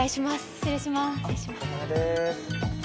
失礼します。